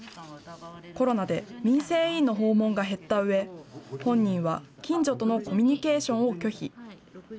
コロナで民生委員の訪問が減ったうえ、本人は近所とのコミュニケーションを拒否。